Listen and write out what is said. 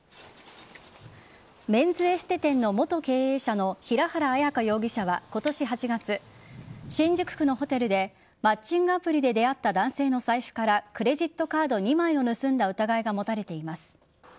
メンズエステ店の元経営者の平原綾香容疑者は今年８月新宿区のホテルでマッチングアプリで出会った男性の財布からクレジットカード２枚を盗んだ疑いが持たれています。